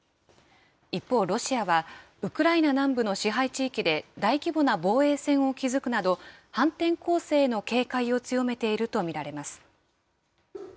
一方、ロシアは、ウクライナ南部の支配地域で大規模な防衛線を築くなど、反転攻勢への警戒を強めていると見られます。